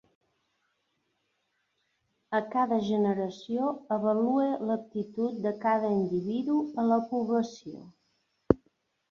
A cada generació avalue l'aptitud de cada individu a la població.